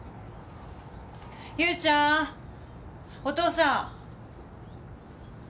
優ちゃんお父さん。